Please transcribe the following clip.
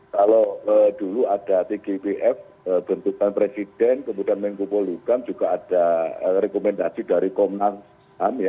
kalau dulu ada tgipf bentukan presiden kemudian menggubulkan juga ada rekomendasi dari komnasan ya